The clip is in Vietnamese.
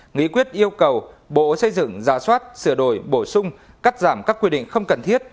nghị quyết yêu cầu bộ xây dựng ra soát sửa đổi bổ sung cắt giảm các quy định không cần thiết